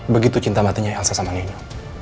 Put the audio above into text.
begitu cinta matinya elsa sama neneknya